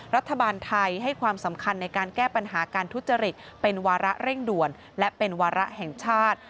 รัฐบาลไทยให้ความสำคัญในการแก้ปัญหาการทุจริตเป็นวาระเร่งด่วนและเป็นวาระแห่งชาติ